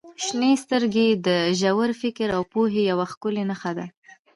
• شنې سترګې د ژور فکر او پوهې یوه ښکلې نښه دي.